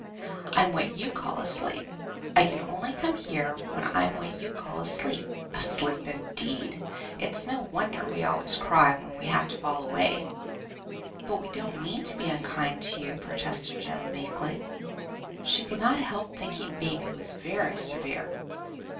"I'm what you call asleep. I can only come here when I'm what you call asleep. Asleep, indeed! It's no wonder we always cry when we have to fall awake." "But we don't mean to be unkind to you," protested Jem, meekly. She could not help thinking Baby was very severe.